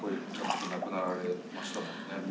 亡くなられましたもんね。